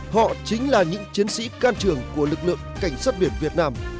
họ chính là những chiến sĩ can trường của lực lượng cảnh sát biển việt nam